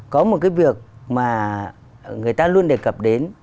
có một cái việc mà người ta luôn đề cập đến